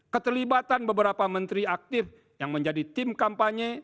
keterlibatan beberapa menteri aktif yang menjadi tim kampanye